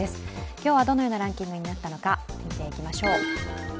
今日はどのようなランキングになったのか、見ていきましょう。